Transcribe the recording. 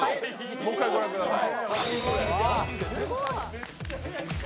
もう一回ご覧ください。